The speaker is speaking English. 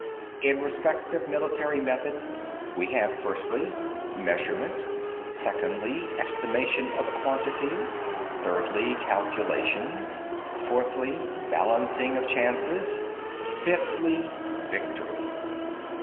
17. In respect of military method, we have, firstly, Measurement; secondly, Estimation of quantity; thirdly, Calculation; fourthly, Balancing of chances; fifthly, Victory.